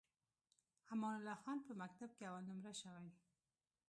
امان الله خان په مکتب کې اول نمره شوی.